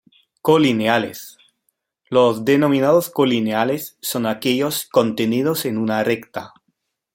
Colineales: los denominados colineales son aquellos contenidos en una recta.